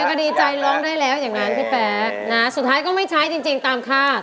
ก็ดีใจร้องได้แล้วอย่างนั้นพี่แป๊ะนะสุดท้ายก็ไม่ใช้จริงตามค่า